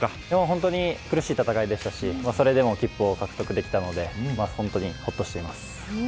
本当に苦しい戦いでしたしそれでも切符を獲得できたのでほっとしています。